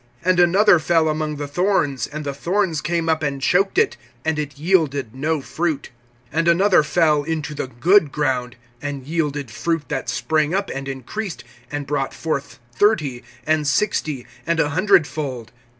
(7)And another fell among the thorns; and the thorns came up, and choked it, and it yielded no fruit. (8)And another fell into the good ground, and yielded fruit that sprang up and increased; and brought forth, thirty, and sixty, and a hundredfold.